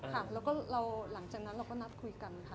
ค่ะแล้วก็เราหลังจากนั้นเราก็นัดคุยกันค่ะ